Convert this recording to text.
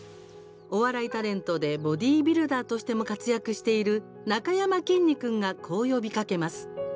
お笑いタレントでボディービルダーとしても活躍しているなかやまきんに君がこう呼びかけます。